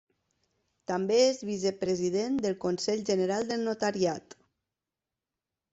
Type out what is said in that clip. També és vicepresident del Consell General del Notariat.